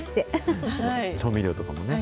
調味料とかもね。